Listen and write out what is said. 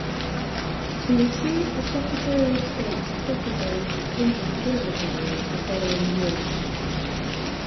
He received the Secretary of State's Secretary's Distinguished Service Award the following year.